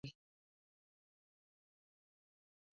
Cruz Blackledge was born in Mexicali.